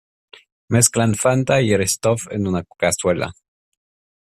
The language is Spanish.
Mezclan Fanta y Eristoff en una cazuela.